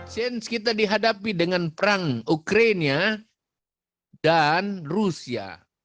sense kita dihadapi dengan perang ukraina dan rusia